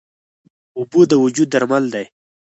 اوبه د وجود درمل دي.